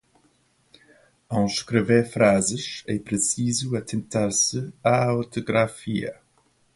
Ao escrever frases, é preciso atentar-se à ortografia.